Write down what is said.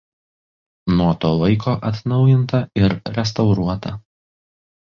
Nuo to laiko atnaujinta ir restauruota.